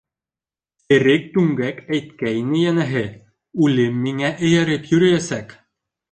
— Серек Түңгәк әйткәйне, йәнәһе, үлем миңә эйәреп йөрөйәсәк.